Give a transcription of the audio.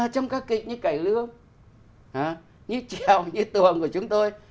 trong các kịch như cải lương như hầu như tường của chúng tôi